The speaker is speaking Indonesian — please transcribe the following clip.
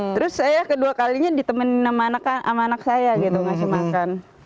terus saya kedua kalinya ditemenin sama anak saya gitu ngasih makan